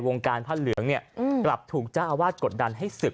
การผ้าเหลืองเนี่ยกลับถูกเจ้าอาวาสกดดันให้ศึก